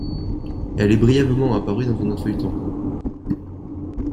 Elle est brièvement apparue dans un autre feuilleton.